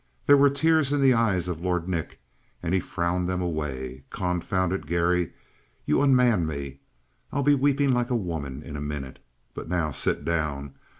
There were tears in the eyes of Lord Nick, and he frowned them away. "Confound it, Garry, you unman me. I'll be weeping like a woman in a minute. But now, sit down.